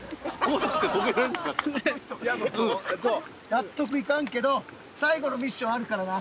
納得いかんけど最後のミッションあるからな。